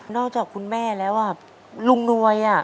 นอกจากคุณแม่แล้วอ่ะลุงนวยอ่ะ